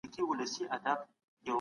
خوندي له غلیمانو